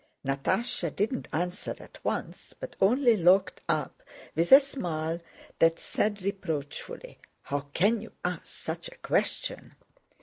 Natásha did not answer at once but only looked up with a smile that said reproachfully: "How can you ask such a question?"